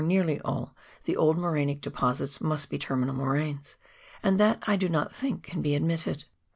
169 nearly all tlie old morainic deposits must be terminal moraines ; and that I do not think can be admitted.